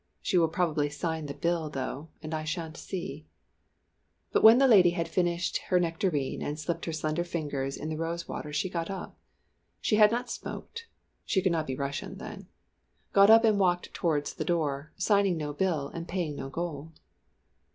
"She will probably sign the bill, though, and I shan't see." But when the lady had finished her nectarine and dipped her slender fingers in the rose water she got up she had not smoked, she could not be Russian then. Got up and walked towards the door, signing no bill, and paying no gold.